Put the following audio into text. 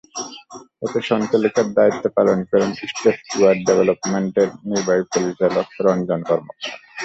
এতে সঞ্চালকের দায়িত্ব পালন করেন স্টেপস্ টুয়ার্ডস ডেভেলপমেন্টের নির্বাহী পরিচালক রঞ্জন কর্মকার।